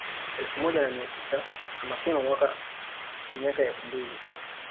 Elfu moja na mia tisa na mapema mwa mika ya elfu mbili